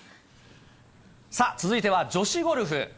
さあ、続いては女子ゴルフ。